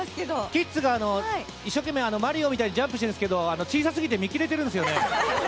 キッズが一生懸命マリオみたいにジャンプしてるんですけど小さすぎて、見切れてるんですよね